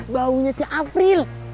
baunya si afril